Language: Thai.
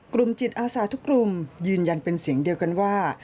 กลุ่มจิตอาสาทุกกลุ่มยืนยันเป็นเสียงเดียวกันว่า